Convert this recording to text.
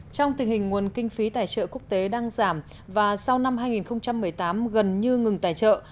trong tình hình nguồn kinh phí tài trợ quốc tế đang giảm và sau năm hai nghìn một mươi tám gần như ngừng tài trợ